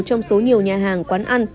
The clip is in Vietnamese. có nhiều nhà hàng quán ăn